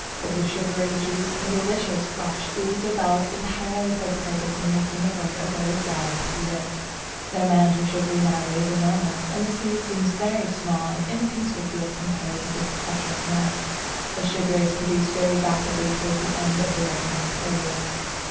But the sugary juice and delicious flesh is developed entirely for the purpose of making it worth a bird's while to eat it. The amount of sugary matter is enormous, and the seeds seem very small and inconspicuous compared with this luscious mass. The sugar is produced very rapidly towards the end of the ripening period.